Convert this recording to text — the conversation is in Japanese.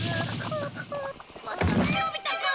のび太くん。